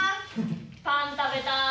パン食べたーい。